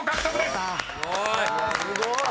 すごーい！